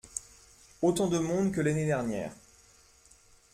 Autant de monde que l’année dernière.